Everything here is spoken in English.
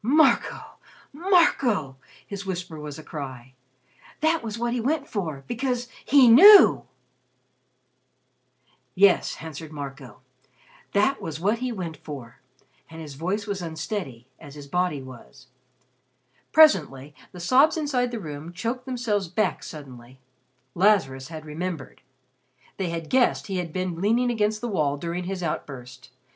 "Marco! Marco!" his whisper was a cry. "That was what he went for because he knew!" "Yes," answered Marco, "that was what he went for." And his voice was unsteady, as his body was. Presently the sobs inside the room choked themselves back suddenly. Lazarus had remembered. They had guessed he had been leaning against the wall during his outburst.